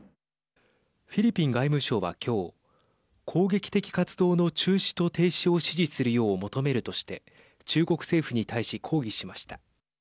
フィリピン外務省は今日攻撃的活動の中止と停止を指示するよう求めるとして中国政府に対し抗議しました。